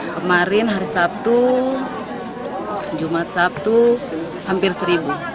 kemarin hari sabtu jumat sabtu hampir seribu